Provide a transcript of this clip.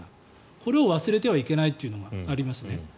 これを忘れてはいけないというのがありますね。